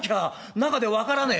中で分からねえ」。